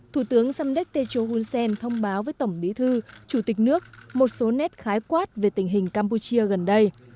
thủ tướng samdek techo hunsen thông báo với tổng bí thư chủ tịch nước một số nét khái quát về tình hình campuchia gần đây